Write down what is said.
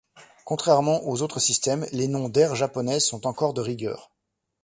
Contrairement aux autres systèmes, les noms d'ères japonaises sont encore de rigueur.